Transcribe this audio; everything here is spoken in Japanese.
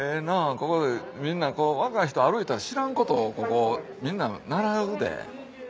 ここでみんな若い人歩いたら知らんことみんな習うで。